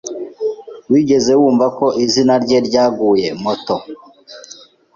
Wigeze wumva ko izina-rye ryaguye moto?